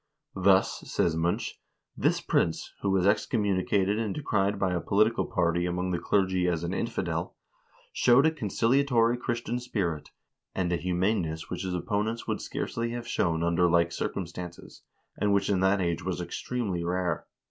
"Thus," says Munch, "this prince, who was excommunicated and decried by a political party among the clergy as an infidel, showed a conciliatory Christian spirit, and a humaneness which his opponents would scarcely have shown under like circumstances, and which in that age was extremely rare.